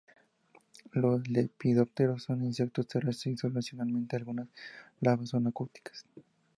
Los lepidópteros son insectos terrestres y sólo ocasionalmente algunas larvas son acuáticas.